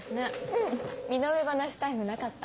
うん身の上話タイムなかった。